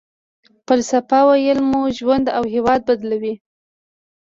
فلسفه ويل مو ژوند او هېواد بدلوي.